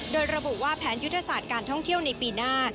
โดยระบุว่าแผนยุทธศาสตร์การท่องเที่ยวในปีหน้า